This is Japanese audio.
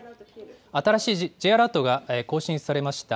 新しいＪアラートが更新されました。